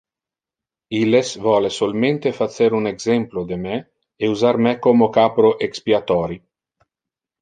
Illes vole solmente facer un exemplo de me e usar me como capro expiatori.